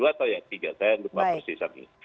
atau ayat tiga saya lupa persisat ini